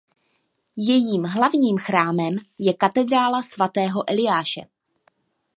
Jejím hlavním chrámem je katedrála svatého Eliáše.